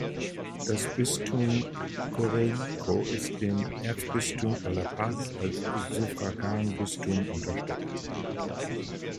Das Bistum Coroico ist dem Erzbistum La Paz als Suffraganbistum unterstellt.